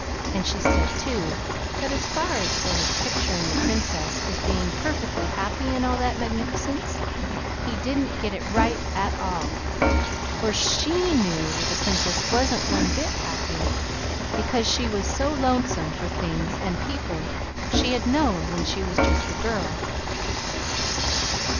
And she said, too, that as for his picturing the Princess as being perfectly happy in all that magnificence, he didn't get it right at all. For SHE knew that the Princess wasn't one bit happy, because she was so lonesome for things and people she had known when she was just the girl."